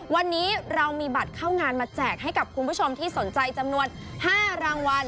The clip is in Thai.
วันนี้เรามีบัตรเข้างานมาแจกให้กับคุณผู้ชมที่สนใจจำนวน๕รางวัล